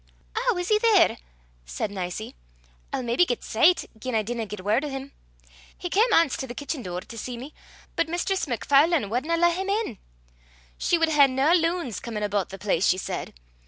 "Ow, is he there?" said Nicie. "I'll maybe get sicht, gien I dinna get word o' him. He cam ance to the kitchie door to see me, but Mistress MacFarlane wadna lat him in. She wad hae nae loons comin' aboot the place she said.